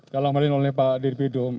dalam hal ini oleh pak dirby dome